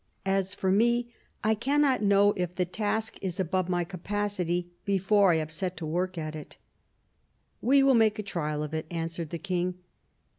As for me, I cannot know if the task is above my capacity before I have set to work at it." " We will make a trial of it," answered the King.